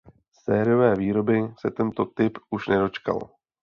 Sériové výroby se tento typ už nedočkal.